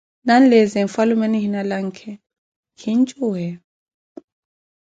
Nanleeze mfwalume nihina lanke, kinjuweya.